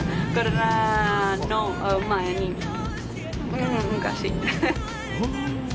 うん昔。